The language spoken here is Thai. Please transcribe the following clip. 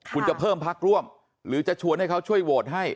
คุณจะเพิ่มพักร่วมหรือจะชวนให้เขาช่วยโหวตให้